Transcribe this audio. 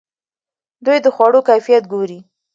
دوی د خوړو کیفیت ګوري.